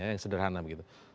yang sederhana begitu